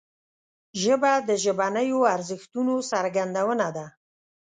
ژبه د ژبنیو ارزښتونو څرګندونه ده